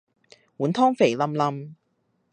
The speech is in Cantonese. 碗湯肥淋淋